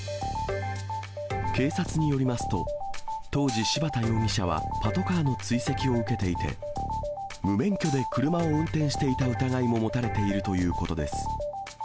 警察によりますと、当時、柴田容疑者はパトカーの追跡を受けていて、無免許で車を運転していた疑いも持たれているということです。